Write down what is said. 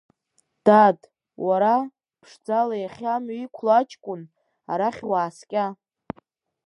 Дад, уара, ԥшӡала иахьа амҩа иқәло аҷкәын, арахь уааскьа!